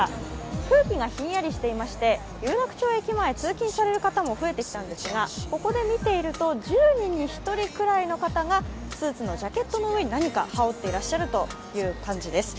空気がひんやりしていまして有楽町前、通勤される方も増えてきたんですがここで見ていると１０人の１人ぐらいの方がスーツのジャケットの上に何か羽織っていらっしゃるという感じです。